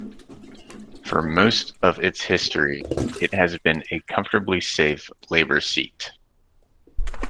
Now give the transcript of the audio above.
For most of its history, it has been a comfortably safe Labor seat.